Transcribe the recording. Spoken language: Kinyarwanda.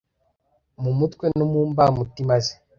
mu mutwe no mu mbamutima ze